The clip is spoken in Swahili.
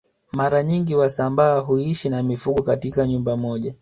Mara nyingi wasambaa huishi na mifugo katika nyumba moja